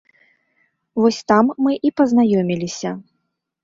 Вось там мы і пазнаёміліся.